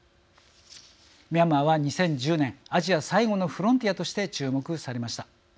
ミャンマーは２０１０年アジア最後のフロンティアとして注目されました。